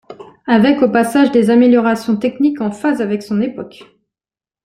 Avec au passage des améliorations techniques en phase avec son époque.